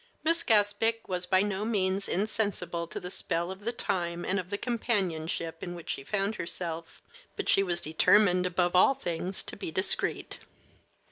Miss Gaspic was by no means insensible to the spell of the time and of the companionship in which she found herself, but she was determined above all things to be discreet.